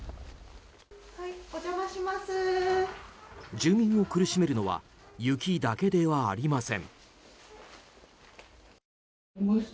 住民を苦しめるのは雪だけではありません。